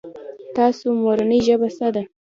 تاسو مورنۍ ژبه څه ده ؟